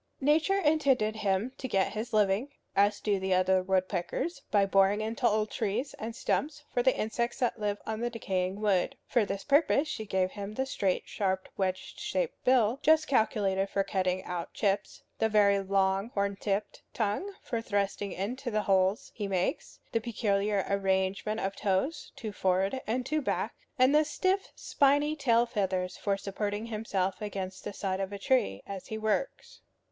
Nature intended him to get his living, as do the other woodpeckers, by boring into old trees and stumps for the insects that live on the decaying wood. For this purpose she gave him the straight, sharp, wedge shaped bill, just calculated for cutting out chips; the very long horn tipped tongue for thrusting into the holes he makes; the peculiar arrangement of toes, two forward and two back; and the stiff, spiny tail feathers for supporting himself against the side of a tree as he works.